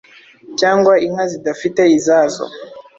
cyangwa inka zidafite izazo